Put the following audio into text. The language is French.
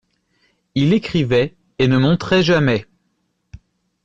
Il écrivait et ne montrait jamais.